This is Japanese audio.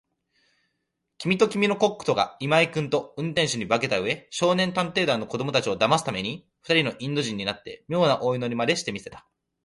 きみときみのコックとが、今井君と運転手に化けたうえ、少年探偵団の子どもたちをだますために、ふたりのインド人になって、みょうなお祈りまでして見せた。